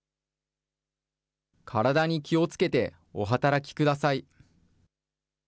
体に気をつけてお働きください。